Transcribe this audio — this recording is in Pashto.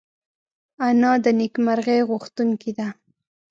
انا د نېکمرغۍ غوښتونکې ده